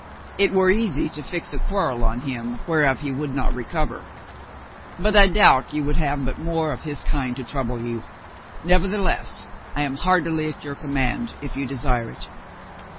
"It were easy to fix a quarrel on him whereof he would not recover. But I doubt you would but have more of his kind to trouble you. Nevertheless, I am heart ily at your command if you desire it."